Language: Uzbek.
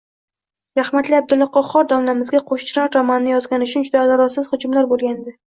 Rahmatli Abdulla Qahhor domlamizga "Qo`shchinor" romanini yozgani uchun juda adolatsiz hujumlar bo`lgandi